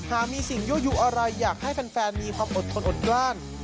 หากมีสิ่งยั่วยูอะไรอยากให้แฟนมีความอดทนอดกล้าน